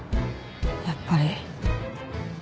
やっぱり。